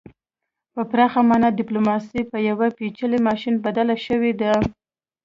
په پراخه مانا ډیپلوماسي په یو پیچلي ماشین بدله شوې ده